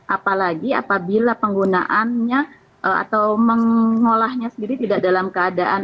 apalagi apabila penggunaannya atau mengolahnya sendiri tidak dalam keadaan